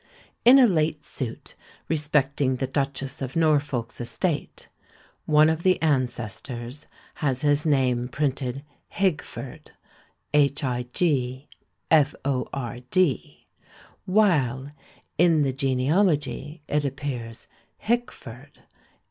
In a late suit respecting the Duchess of Norfolk's estate, one of the ancestors has his name printed Higford, while in the genealogy it appears Hickford.